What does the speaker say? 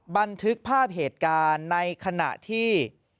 บันทึกภาพเหตุการณ์ในขณะที่